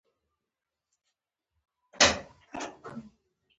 په افغانستان کې دخپلو مهرو او جعلي پاڼو